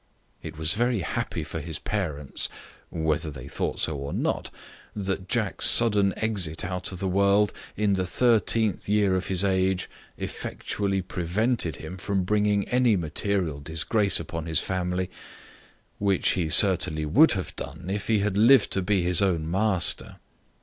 It was very happy for his parents (whether they thought so or not) that Jack's sudden exit out of the world, in the thirteenth year of his age, effectually prevented him from bringing any material disgrace upon his family; which he certainly would have done, if he had lived to be his own master.